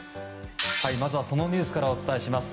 まずはそのニュースからお伝えします。